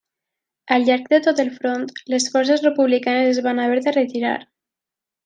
Al llarg de tot el front, les forces republicanes es van haver de retirar.